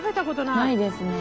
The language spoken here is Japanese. ないですね。